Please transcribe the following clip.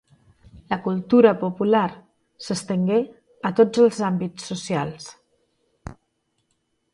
La cultura popular s'estengué a tots els àmbits socials.